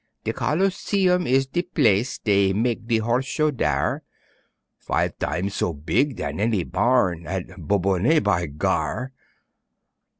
De Coliseum is de place, Dey mak' de Horse Show dere, Five tam's so beeg dan any barn At Bourbonnais, by gar!